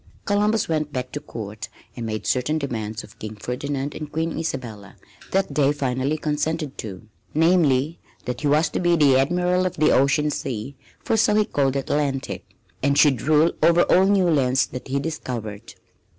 Columbus went back to Court and made certain demands of King Ferdinand and Queen Isabella that they finally consented to namely that he was to be the "Admiral of the Ocean Sea" for so he called the Atlantic and should rule over all new lands that he discovered.